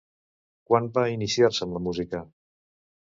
Quan va iniciar-se en la música?